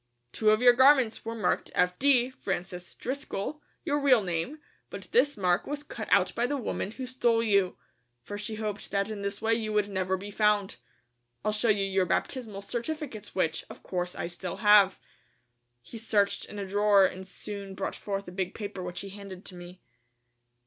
Two of your garments Were marked F.D., Francis Driscoll, your real name, but this mark was cut out by the woman who stole you, for she hoped that in this way you would never be found. I'll show you your baptismal certificates which, of course, I still have." He searched in a drawer and soon brought forth a big paper which he handed to me.